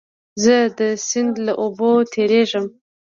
زه د سیند له اوبو تېرېږم.